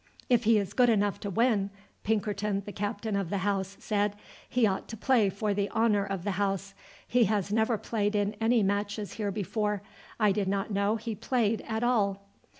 "If he is good enough to win," Pinkerton, the captain of the house, said, "he ought to play for the honour of the house. He has never played in any matches here before. I did not know he played at all."